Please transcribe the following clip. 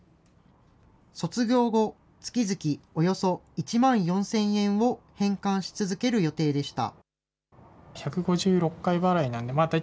卒業後、月々およそ１万４０００円を返還し続ける予定でした。